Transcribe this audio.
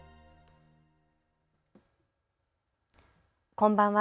こんばんは。